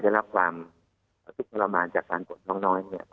ถึงเรื่องการในกรณีที่